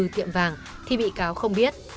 thì bị cáo không biết